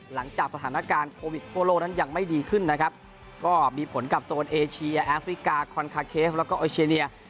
หลังจากสถานการณ์โควิดทั่วโลกนั้นยังไม่ดีขึ้นนะครับก็มีผลกับโซนเอเชียแอฟริกาคอนคาเคฟแล้วก็เอเชียเนีย